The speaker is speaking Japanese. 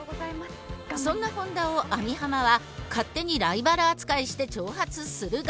そんな本田を網浜は勝手にライバル扱いして挑発するが。